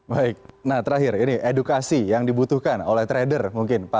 baik nah terakhir ini edukasi yang dibutuhkan oleh trader mungkin pak